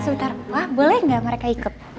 sebentar wah boleh nggak mereka ikut